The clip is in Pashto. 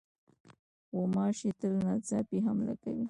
غوماشې تل ناڅاپي حمله کوي.